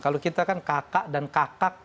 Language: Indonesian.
kalau kita kan kakak dan kakak